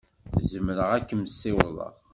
Zemreɣ ad kem-ssiwḍeɣ.